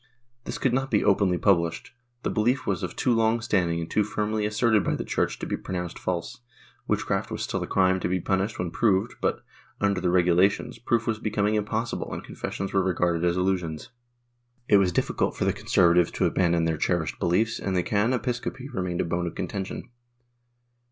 This could not be openly published; the belief was of too long standing and too firmly asserted by the Church to be pronounced false; witchcraft was still a crime to be punished when proved but, under the regulations, proof was becoming impossible and confessions were regarded as illusions. It was difficult for the conservatives to abandon their cherished beliefs, and the can. Episcopi remained a bone of contention.